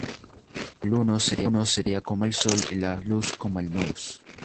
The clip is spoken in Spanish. El Uno sería como el Sol y la Luz como el nous.